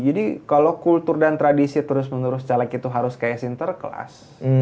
jadi kalau kultur dan tradisi terus menerus caleg itu harus kayak sinter kelas